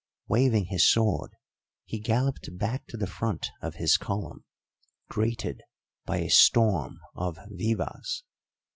Waving his sword, he galloped back to the front of his column, greeted by a storm of vivas.